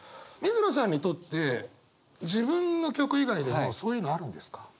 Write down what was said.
水野さんにとって自分の曲以外でもそういうのあるんですか？